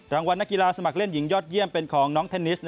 รางวัลนักกีฬาสมัครเล่นหญิงยอดเยี่ยมเป็นของน้องเทนนิส